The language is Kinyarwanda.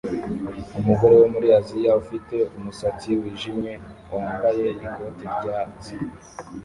Umugore wo muri Aziya ufite umusatsi wijimye wambaye ikoti ryatsi